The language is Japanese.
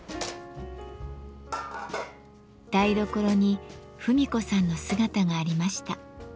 台所に芙美子さんの姿がありました。